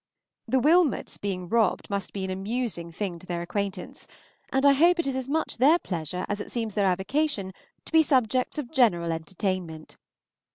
... The Wylmots being robbed must be an amusing thing to their acquaintance, and I hope it is as much their pleasure as it seems their avocation to be subjects of general entertainment.